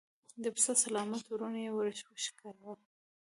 د پسه سلامت ورون يې ور وشکاوه.